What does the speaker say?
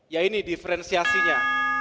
ya ini diferensiasinya